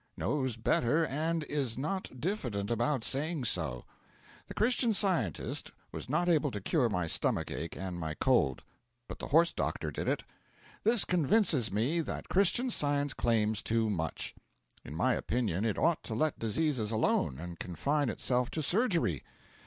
Knows better, and is not diffident about saying so. The Christian Scientist was not able to cure my stomach ache and my cold; but the horse doctor did it. This convinces me that Christian Science claims too much. In my opinion it ought to let diseases alone and confine itself to surgery.